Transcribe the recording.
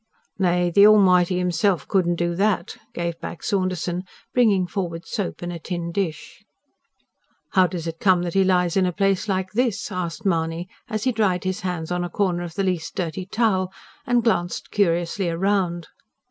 "Nay, the Almighty Himself couldn't do that," gave back Saunderson, bringing forward soap and a tin dish. "How does it come that he lies in a place like this?" asked Mahony, as he dried his hands on a corner of the least dirty towel, and glanced curiously round.